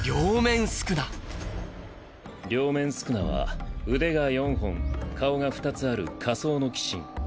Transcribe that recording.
両面宿儺は腕が４本顔が２つある仮想の鬼神。